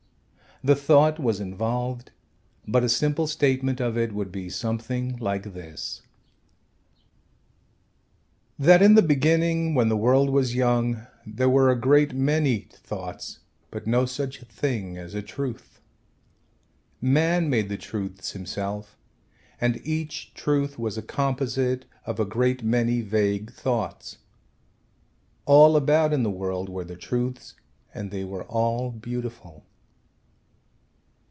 The thought was involved but a simple statement of it would be something like this: That in the beginning when the world was young there were a great many thoughts but no such thing as a truth. Man made the truths himself and each truth was a composite of a great many vague thoughts. All about in the world were the truths and they were all beautiful.